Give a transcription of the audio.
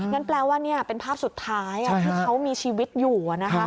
แปลว่านี่เป็นภาพสุดท้ายที่เขามีชีวิตอยู่